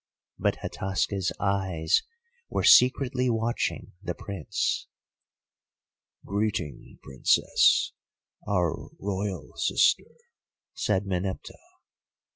But Hataska's eyes were secretly watching the Prince. "'Greeting, Princess, our Royal sister,' said Meneptah.